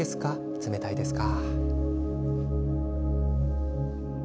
冷たいですか？